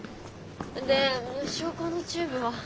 で証拠のチューブは？